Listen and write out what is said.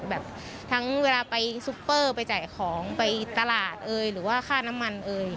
แบบทั้งเวลาไปซุปเปอร์ไปจ่ายของไปตลาดเอ่ยหรือว่าค่าน้ำมันเอ่ย